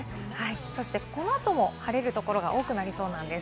そしてこの後も晴れるところが多くなりそうです。